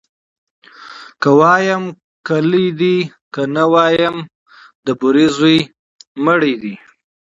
ـ که وايم کلى دى ، که نه وايم د بورې زوى مړى دى.